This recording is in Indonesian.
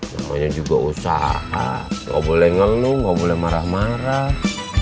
semuanya juga usaha nggak boleh ngeluh nggak boleh marah marah